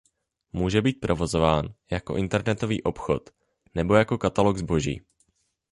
Může být provozován jako internetový obchod nebo jako katalog zboží.